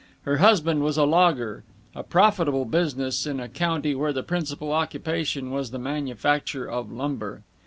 Her husband was a logger a profitable business in a county where the principal occupation was the manufacture of lumber.